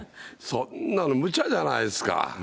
そんなのむちゃじゃないですか。